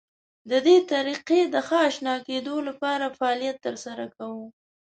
د دې طریقې د ښه اشنا کېدو لپاره فعالیت تر سره کوو.